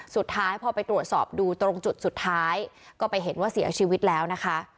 สุดท้ายพอไปตรวจสอบดูตรงจุดสุดท้ายก็ไปเห็นว่าเสียชีวิตแล้วนะคะ